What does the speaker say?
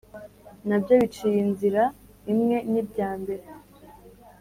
nabyo biciye inzira imwe n’ibya mbere,